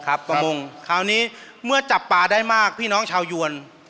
ประมงคราวนี้เมื่อจับปลาได้มากพี่น้องชาวยวน